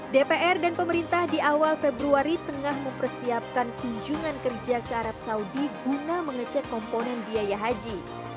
dpr dan pemerintah di awal februari tengah mempersiapkan kunjungan kerja ke arab saudi guna mengecek komponen biaya haji